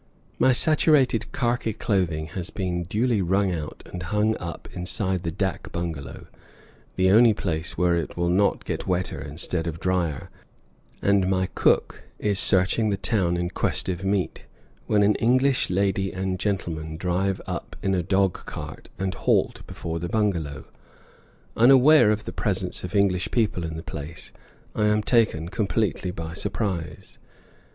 My saturated karki clothing has been duly wrung out and hung up inside the dak bungalow, the only place where it will not get wetter instead of dryer, and my cook is searching the town in quest of meat, when an English lady and gentleman drive up in a dog cart and halt before the bungalow. Unaware of the presence of English people in the place, I am taken completely by surprise.